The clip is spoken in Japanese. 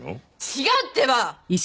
違うってば！